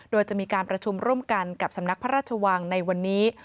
โดยจะมีการประชุมร่วมกันกับสำนักพระราชวังในวันนี้